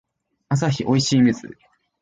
アサヒおいしい水